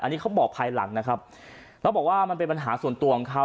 อันนี้เขาบอกภายหลังนะครับแล้วบอกว่ามันเป็นปัญหาส่วนตัวของเขา